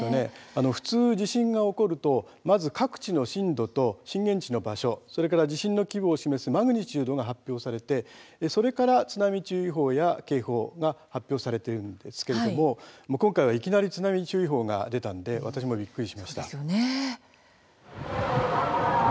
普通、地震が起こるとまず各地の震度と震源地の場所それから地震の規模を示すマグニチュードが発表されてそれから津波注意報や警報が発表されているんですけれども今回はいきなり津波注意報が出たので私もびっくりしました。